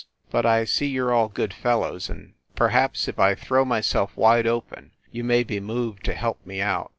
But I see you re all good fellows, and perhaps if I throw myself wide open, you may be moved to help me out.